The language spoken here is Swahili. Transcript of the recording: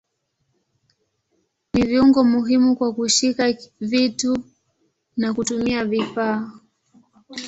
Ni viungo muhimu kwa kushika vitu na kutumia vifaa.